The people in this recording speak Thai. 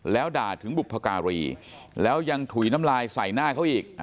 แล้วด่าถึงบุพการีแล้วยังถุยน้ำลายใส่หน้าเขาอีก